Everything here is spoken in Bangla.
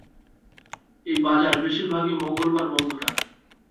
এই বাজার বেশিরভাগই মঙ্গলবার বন্ধ থাকে।